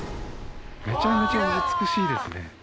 めちゃめちゃお美しいですね。